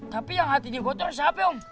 tapi yang hatinya kotor siapa yang